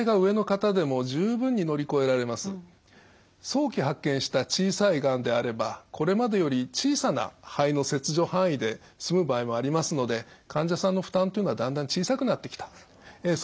早期発見した小さいがんであればこれまでより小さな肺の切除範囲で済む場合もありますので患者さんの負担というのはだんだん小さくなってきたんです。